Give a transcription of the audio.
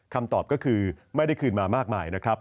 คำตอบก็คือไม่ได้คืนมามากมายนะครับ